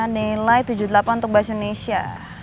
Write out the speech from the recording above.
nilai tujuh puluh delapan untuk bahasa indonesia